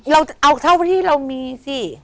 เราเอาเท่าที่เรามีสิ